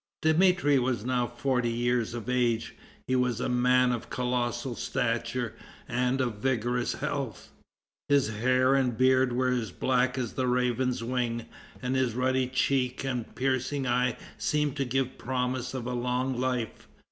Dmitri was now forty years of age. He was a man of colossal stature, and of vigorous health. His hair and beard were black as the raven's wing, and his ruddy cheek and piercing eye seemed to give promise of a long life.